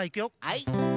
はい。